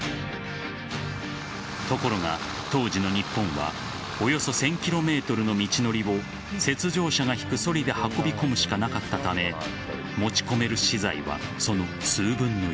ところが当時の日本はおよそ１０００ｋｍの道のりを雪上車が引くそりで運び込むしかなかったため持ち込める資材は、その数分の１。